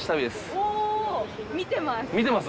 お見てます！